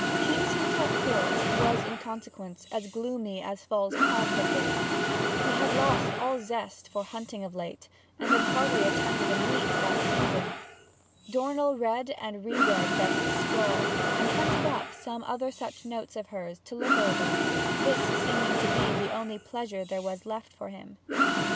King's Hintock Court was in consequence as gloomy as Falls Park had been. He had lost all zest for hunting of late, and had hardly attended a meet that season. Dornell read and re read Betty's scrawl, and hunted up some other such notes of hers to look over, this seeming to be the only pleasure there was left for him.